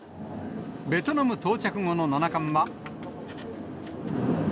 ベトナム到着後の七冠は。